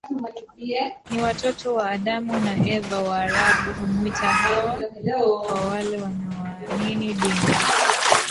ni watoto wa Adamu na Eva Waarabu humwita Hawa kwa wale wanaoamini dini